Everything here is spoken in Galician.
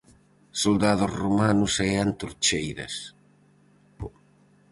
Soldados romanos e antorcheiras.